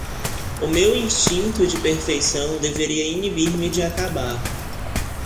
O meu instinto de perfeição deveria inibir-me de acabar